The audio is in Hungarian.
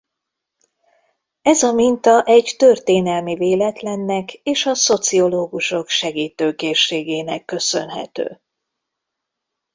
Ez a minta egy történelmi véletlennek és a szociológusok segítőkészségének köszönhető.